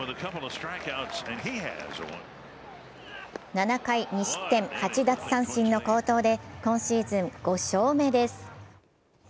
７回２失点８奪三振の好投で今シーズン５勝目です